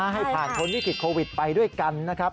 ให้ผ่านพ้นวิกฤตโควิดไปด้วยกันนะครับ